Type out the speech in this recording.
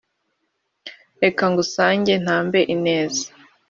reka ngusange ntambe ineza